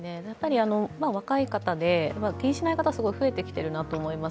若い方で気にしない方、すごい増えてきていると思います。